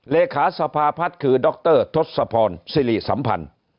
เลขาสภาพัฒน์คือดรทศพรสิริสัมพันธ์